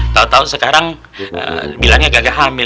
tau tau sekarang bilangnya gagal hamil